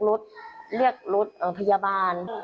รถพยาบาล